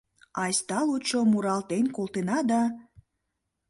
Айста лучо муралтен колтена да